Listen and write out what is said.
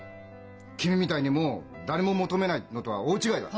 君みたいにもう誰も求めないのとは大違いだ。